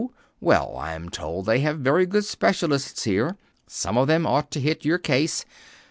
Well, I'm told they have very good specialists here. Some one of them ought to hit your case.